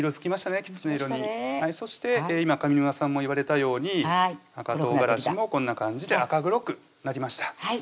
きつね色にそして今上沼さんも言われたように赤唐辛子もこんな感じで赤黒くなりました